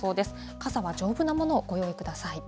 傘は丈夫なものをご用意ください。